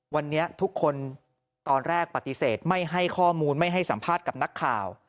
วันนี้ทุกคนตอนแรกปฏิเสธไม่ให้ข้อมูลไม่ให้สัมภาษณ์กับนักข่าว